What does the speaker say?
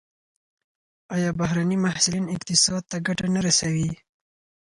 آیا بهرني محصلین اقتصاد ته ګټه نه رسوي؟